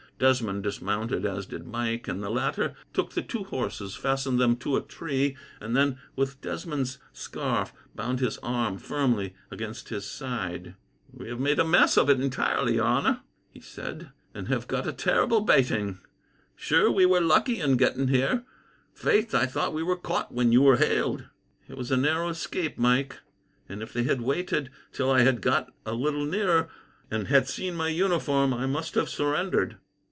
Desmond dismounted, as did Mike, and the latter took the two horses, fastened them to a tree, and then, with Desmond's scarf, bound his arm firmly against his side. "We have made a mess of it entirely, your honour," he said, "and have got a terrible bating. Sure we were lucky in getting here. Faith, I thought we were caught when you were hailed." "It was a narrow escape, Mike; and if they had waited till I had got a little nearer, and had seen my uniform, I must have surrendered."